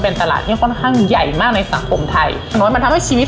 เป็นตลาดที่ค่อนข้างใหญ่มากในสังคมไทยน้อยมันทำให้ชีวิต